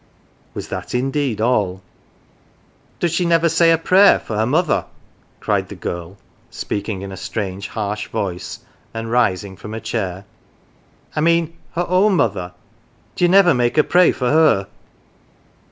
Was that indeed all ?" Does she never say a prayer for her mother ?" cried the girl, speaking in a strange harsh voice and rising from her chair. " I mean her own mother. D'ye never make her pray for her